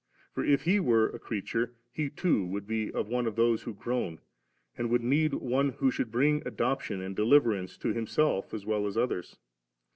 For if He were creature, He too would be one of those who groan, and would need one who should bring adoption and deliverance to Him self as well as others.